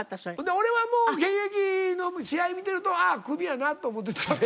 俺はもう現役の試合見てるとああクビやなと思ってたんで。